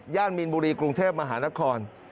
มีนบุรีกรุงเทพมหานคร